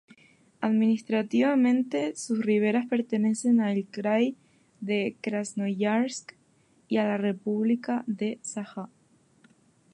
Administrativamente, sus riberas pertenecen al Krai de Krasnoyarsk y a la república de Sajá.